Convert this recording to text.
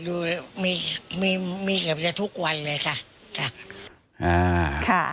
ตอนนี้มีกับจะทุกวันเลยค่ะ